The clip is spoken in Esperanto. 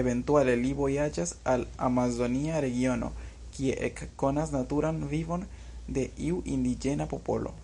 Eventuale li vojaĝas al amazonia regiono kie ekkonas naturan vivon de iu indiĝena popolo.